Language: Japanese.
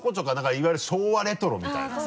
いわゆる昭和レトロみたいなさ。